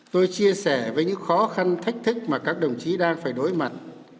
tôi chia sẻ với những khó khăn thách thức mà các đồng chí đang phải đối mặt